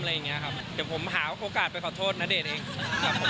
เดี๋ยวผมหาโอกาสไปขอโทษณเดชน์เองครับผม